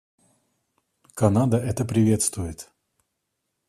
Канада это приветствует.